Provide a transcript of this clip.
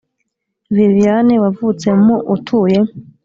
Viviane wavutse mu utuye